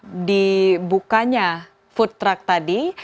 mulai di bukanya food truck tadi